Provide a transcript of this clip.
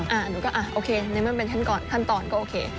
หนูก็อ่ะโอเคในเมื่อมันเป็นขั้นตอนขั้นตอนก็โอเค